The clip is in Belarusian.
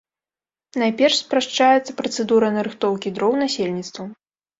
Найперш спрашчаецца працэдура нарыхтоўкі дроў насельніцтвам.